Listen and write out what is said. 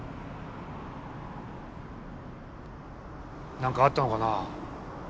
何かあったのかな？